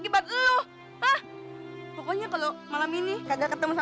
bada gua gak peduli